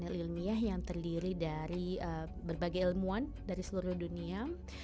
ini adalah panel ilmiah yang terdiri dari berbagai ilmuwan dari seluruh dunia